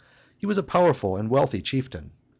He was a powerful and wealthy chieftain.